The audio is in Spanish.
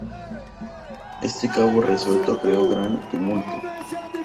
Este cabo suelto creó gran tumulto.